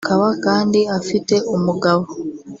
akaba kandi afite umugabo